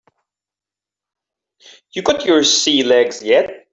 You got your sea legs yet?